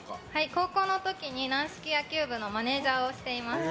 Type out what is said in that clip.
高校の時に軟式野球部のマネージャーをしていました。